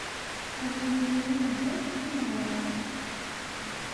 A win yufan, ahat, ad neɛreḍ.